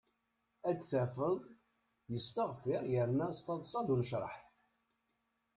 Ad tafeḍ yesteɣfir yerna s taḍsa d unecraḥ.